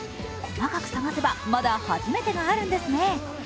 細かく探せばまだ初めてがあるんですね。